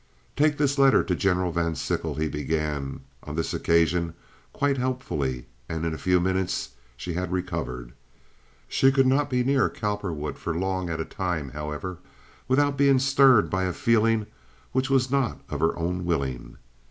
"Take this letter to General Van Sickle," he began, on this occasion quite helpfully, and in a few minutes she had recovered. She could not be near Cowperwood for long at a time, however, without being stirred by a feeling which was not of her own willing.